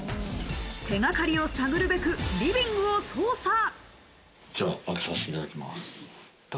手掛かりを探るべくリビングを捜査。